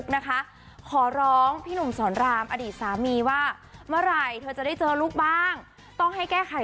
นะคะขอร้องพี่หนุ่มสอนรามอดีตสามีว่าเมื่อไหร่เธอจะได้เจอลูกบ้างต้องให้แก้ไข